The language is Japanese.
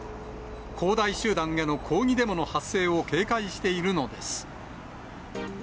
恒大集団への抗議デモの発生を警戒しているのです。